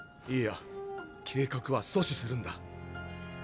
いいや計画は阻止するんだ！